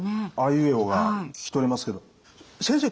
「あいうえお」が聞き取れますけど先生